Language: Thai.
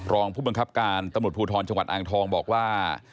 รองผู้บังคับการตำรวจภูทรจังหวัดอ่างทองบอกว่า